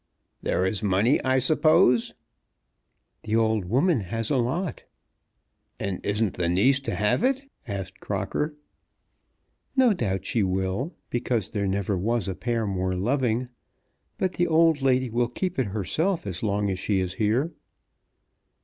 "There is money I suppose?" "The old woman has a lot." "And isn't the niece to have it?" asked Crocker. "No doubt she will; because there never was a pair more loving. But the old lady will keep it herself as long as she is here."